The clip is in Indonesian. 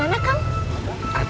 ada di sini akan simpan